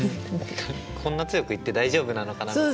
こんな強く言って大丈夫なのかなとか。